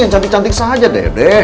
yang cantik cantik saja deh